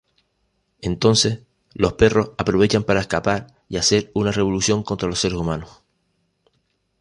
Entonces, los perros aprovechan para escapar y hacer una revolución contra los seres humanos.